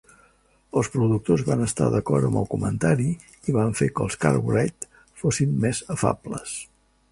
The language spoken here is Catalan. Els productors van estar d'acord amb el comentari i van fer que els Cartwright fossin més afables.